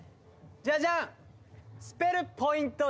じゃじゃん！